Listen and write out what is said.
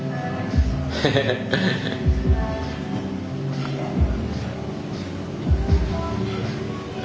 ハハハハッ。